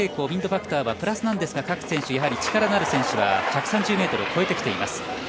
ウインドファクターはプラスなんですが各選手、力のある選手が１３０ｍを超えてきています。